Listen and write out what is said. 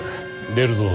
出るぞ。